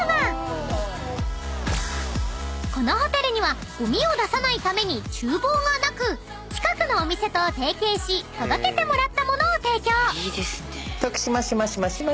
［このホテルにはゴミを出さないために厨房がなく近くのお店と提携し届けてもらったものを提供］